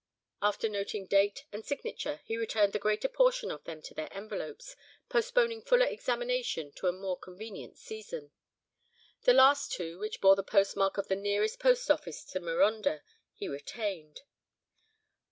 After noting date and signature, he returned the greater portion of them to their envelopes, postponing fuller examination to a more convenient season. The last two, which bore the postmark of the nearest post office to Marondah, he retained.